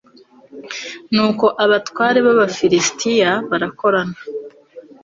nuko abatware b'abafilisiti barakorana